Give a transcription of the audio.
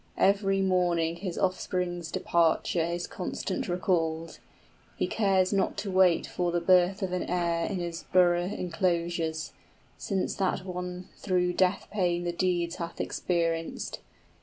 Every morning his offspring's departure Is constant recalled: he cares not to wait for 60 The birth of an heir in his borough enclosures, Since that one through death pain the deeds hath experienced.